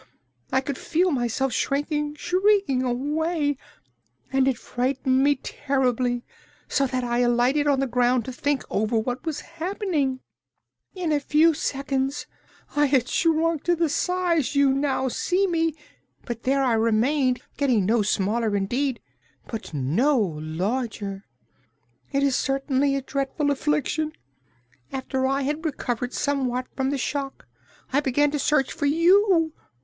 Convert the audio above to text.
I could feel myself shrinking, shrinking away, and it frightened me terribly, so that I lighted on the ground to think over what was happening. In a few seconds I had shrunk to the size you now see me; but there I remained, getting no smaller, indeed, but no larger. It is certainly a dreadful affliction! After I had recovered somewhat from the shock I began to search for you.